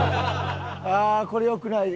ああこれ良くない。